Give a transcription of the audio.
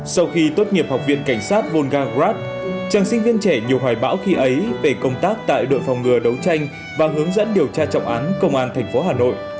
sau khi tốt nghiệp học viện cảnh sát volga grab chàng sinh viên trẻ nhiều hoài bão khi ấy về công tác tại đội phòng ngừa đấu tranh và hướng dẫn điều tra trọng án công an tp hà nội